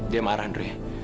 dia marah andre